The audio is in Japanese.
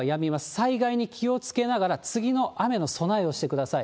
災害に気をつけながら、次の雨の備えをしてください。